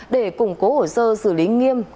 để củng cố hỏi sơ xử lý nghiêm